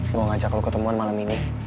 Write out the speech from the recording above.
gue ngajak lo kep nécessita pacar malam ini